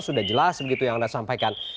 sudah jelas begitu yang anda sampaikan